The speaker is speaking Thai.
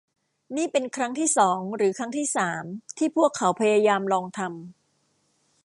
นี่เป็นครั้งที่สอง หรือครั้งที่สามที่พวกเขาพยายามลองทำ